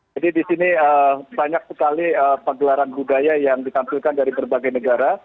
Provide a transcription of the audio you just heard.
jadi di sini banyak sekali pegelaran budaya yang ditampilkan dari berbagai negara